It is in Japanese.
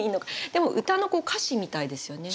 でも歌の歌詞みたいですよね。